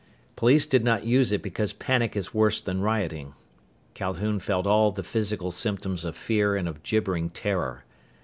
Police did not use it because panic is worse than rioting. Calhoun felt all the physical symptoms of fear and of gibbering terror.